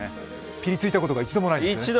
ピリついたことが一度もないんですよね。